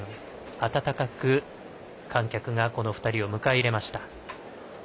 温かく観客がこの２人を迎え入れました。